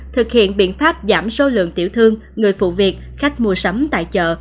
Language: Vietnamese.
thực hiện biện pháp giảm số lượng tiểu thương người phụ việc khách mua sắm tại chợ